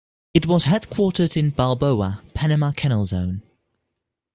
It was headquartered in Balboa, Panama Canal Zone.